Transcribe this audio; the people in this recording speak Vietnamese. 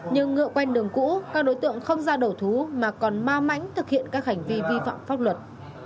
nhưng ngựa quen đường cũ các đối tượng không ra đầu thú mà còn ma mánh thực hiện các hành vi vi phạm pháp luật